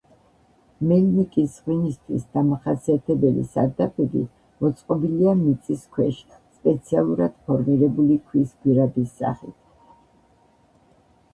მელნიკის ღვინისთვის დამახასიათებელი სარდაფები მოწყობილია მიწის ქვეშ სპეციალურად ფორმირებული ქვის გვირაბის სახით.